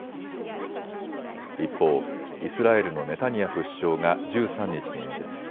一方、イスラエルのネタニヤフ首相が１３日に演説。